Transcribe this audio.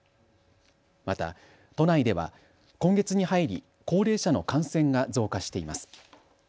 都内では今月に入り高齢者の感染が増加しています。